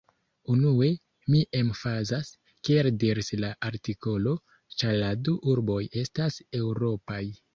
Unue, mi emfazas, kiel diris la artikolo, ĉar la du urboj estas eŭropaj.